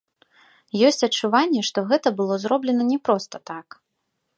Ёсць адчуванне, што гэта было зроблена не проста так.